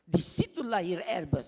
disitu lahir airbus